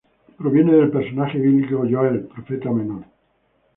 Proviene del personaje bíblico Joel, profeta menor.